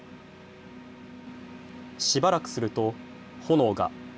しばらくすると、炎が。